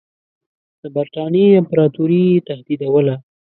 د برټانیې امپراطوري یې تهدیدوله.